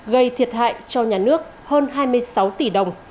gây thiệt hại cho nhà nước hơn hai mươi sáu tỷ đồng